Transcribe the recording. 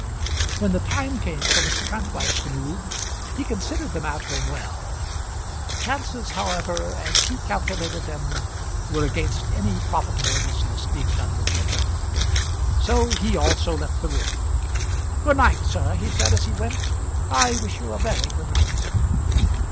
When the time came for Mr. Kantwise to move, he considered the matter well. The chances, however, as he calculated them, were against any profitable business being done with the attorney, so he also left the room. "Good night, sir," he said as he went. "I wish you a very good night."